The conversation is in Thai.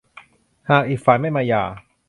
หากอีกฝ่ายไม่มาหย่า